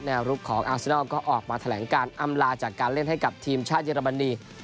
รุกของอาซินอลก็ออกมาแถลงการอำลาจากการเล่นให้กับทีมชาติเยอรมนี